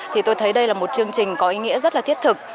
thì tôi thấy đây là một chương trình có ý nghĩa rất là thiết thực